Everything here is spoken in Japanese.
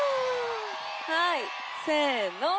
はいせの。